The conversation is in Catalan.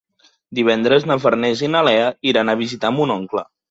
Divendres na Farners i na Lea iran a visitar mon oncle.